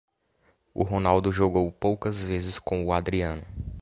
O Ronaldo jogou poucas vezes com o Adriano.